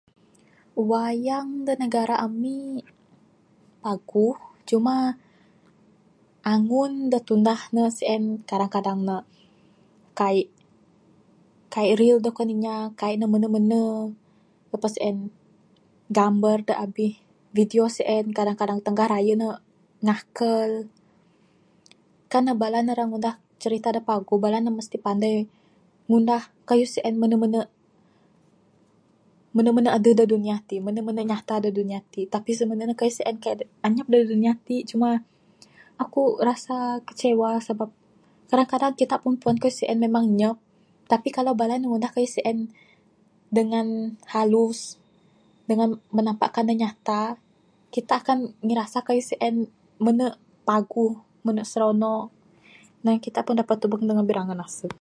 Wayang da negara amik paguh, cuma angun da tundah ne sien kadang kadang ne kaik, kaik real da kuan inya. Kaik ne menu menu. Lepas ain, gambar da abih video sien kadang kadang tanggah rayu ne ngakal. Kan ne bala ne ira ngundah cerita da paguh, bala ne mesti pandei ngundah kayuh sien menu menu, menu menu aduh da dunya tik. Menu menu nyata da dunya tik. Tapi kayuh sien semenu' ne anyap da dunya tik, cuma akuk rasa kecewa sebab kadang kadang kitak pun pu'an kayuh sien memang nyap. Tapi kalau bala ne ngundah kayuh sien dengan halus, dengan menampakkan ne nyata, kitak kan nyirasa kayuh sien menu paguh, menu seronok. Dengan kitak pun dapat tebuk ne dengan birangun asung.